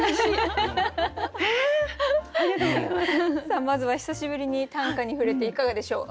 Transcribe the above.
さあまずは久しぶりに短歌に触れていかがでしょう？